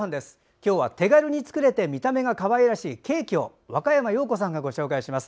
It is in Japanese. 今日は手軽に作れて見た目がかわいらしいケーキを若山曜子さんがご紹介します。